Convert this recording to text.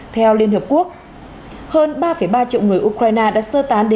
theo liên hợp quốc hơn ba ba triệu người ukraine đã sơ tán đến các nước